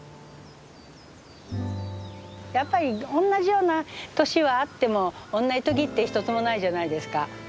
やっぱりおんなじような年はあってもおんなじ時って一つもないじゃないですかうん。